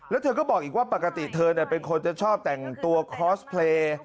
แล้วเธอก็บอกอีกว่าปกติเธอเป็นคนจะชอบแต่งตัวคอสเพลย์